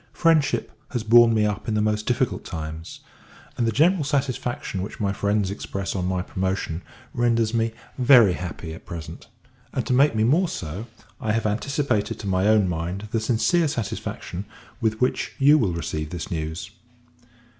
Friendship has borne me up in the most difficult times; and the general satisfaction which my friends express, on my promotion, renders me very happy at present: and, to make me more so, I have anticipated to my own mind the sincere satisfaction with which you will receive this news.